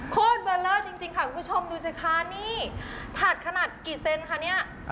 โคตรเบอร์เลอร์จริงค่ะคุณผู้ชมดูสิคะนี่ถัดขนาดกี่เซนคะเนี่ย